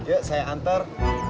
yuk saya antar